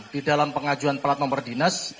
di dalam pengajuan plat nomor dinas